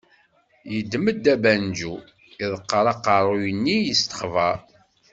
Yedem-d abanju, iḍeqqer agaṛṛu-nni, yestexber.